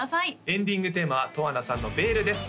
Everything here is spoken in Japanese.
エンディングテーマはＴｏｗａｎａさんの「ベール」です